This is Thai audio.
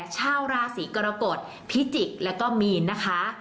ชาวราศีกรกฎพิจิกษ์แล้วก็มีนนะคะ